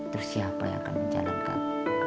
terus siapa yang akan mencalonkan